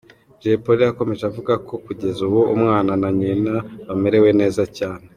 Jay Polly yakomeje avuga ko kugeza ubu umwana na nyina bamerewe neza cyane.